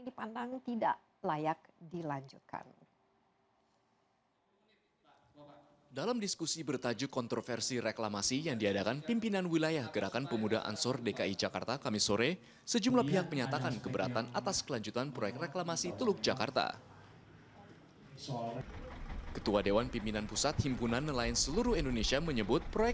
jadi kalau kemudian wilayah itu kemudian ditutup dikelola oleh sebuah korporasi yang boleh jadi penanganan yang bisa lebih lebih dari negara